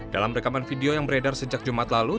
dalam rekaman video yang beredar sejak jumat lalu